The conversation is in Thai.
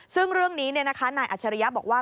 ซึ่งเรื่องนี้เนี่ยนะคะนายอัชริยะบอกว่า